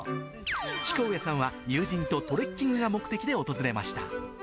彦上さんは友人とトレッキングが目的で訪れました。